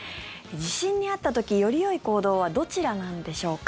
地震に遭った時、よりよい行動はどちらなんでしょうか。